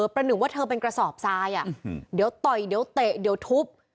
ประหนึ่งว่าเธอเป็นกระสอบทรายเดี๋ยวต่อยเดี๋ยวเตะเดี๋ยวทุบ